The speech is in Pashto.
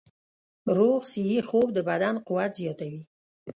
روغ صحي خوب د بدن قوت زیاتوي.